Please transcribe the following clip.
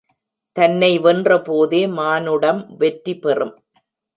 தன்னை வென்ற போதே மானுடம் வெற்றி பெறும்.